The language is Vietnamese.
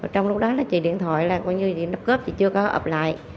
trong lúc đó là chị điện thoại là coi như điện đập cướp chị chưa có ập lại